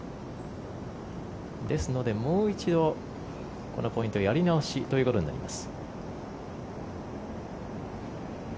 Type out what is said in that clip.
ですのでもう一度このポイントをやり直しということになります。